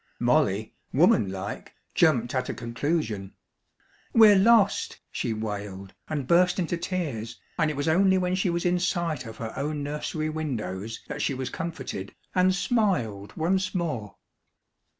Molly, womanlike, jumped at a conclusion. "We're lost!" she wailed, and burst into tears, and it was only when she was in sight of her own nursery windows that she was comforted, and smiled once more.